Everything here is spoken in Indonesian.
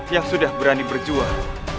yang sudah berani berjuang